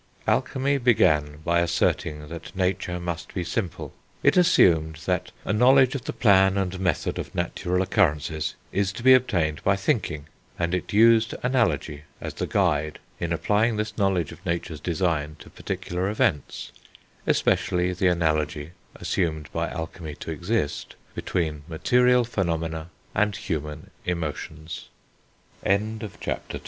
Alchemy began by asserting that nature must be simple; it assumed that a knowledge of the plan and method of natural occurrences is to be obtained by thinking; and it used analogy as the guide in applying this knowledge of nature's design to particular events, especially the analogy, assumed by alchemy to exist, between material phenomena and human em